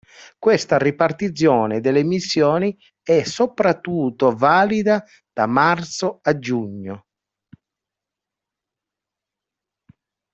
Questa ripartizione delle missioni è soprattutto valida da marzo a giugno.